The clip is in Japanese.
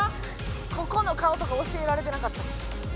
「ここの顔とか教えられてなかったし」